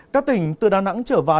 các tỉnh từ đà nẵng trở vào